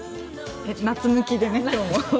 夏向きでね、今日も。